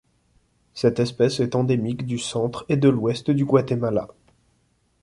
Cette espèce est endémique du centre et de l'Ouest du Guatemala.